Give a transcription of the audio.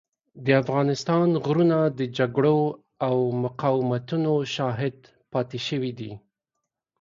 د افغانستان غرونه د جګړو او مقاومتونو شاهد پاتې شوي دي.